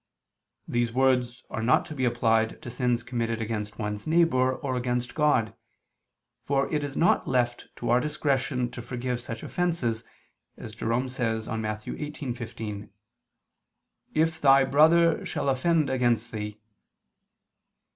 These words are not to be applied to sins committed against one's neighbor or against God, for it is not left to our discretion to forgive such offenses, as Jerome says on Matt. 18:15, "If thy brother shall offend against thee."